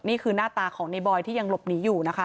นี่คือหน้าตาของในบอยที่ยังหลบหนีอยู่นะคะ